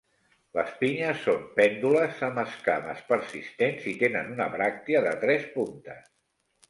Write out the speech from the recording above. Les pinyes són pèndules amb esquames persistents i tenen una bràctea de tres puntes.